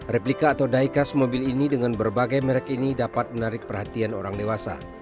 replika atau diecast mobil ini dengan berbagai merek ini dapat menarik perhatian orang dewasa